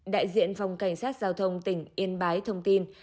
đại diện phòng cảnh sát giao thông tỉnh yên bái thông tin